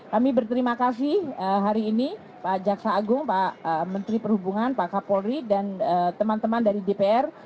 kami berterima kasih hari ini pak jaksa agung pak menteri perhubungan pak kapolri dan teman teman dari dpr